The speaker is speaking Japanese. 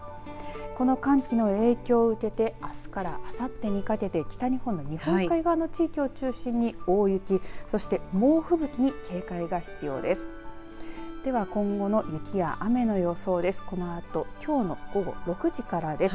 この寒気の影響を受けてあすからあさってにかけて北日本の日本海側の地域を中心に大雪、そして猛吹雪に警戒が必要です。